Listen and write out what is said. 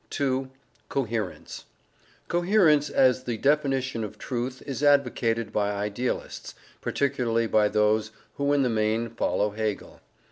(2) Coherence. Coherence as the definition of truth is advocated by idealists, particularly by those who in the main follow Hegel.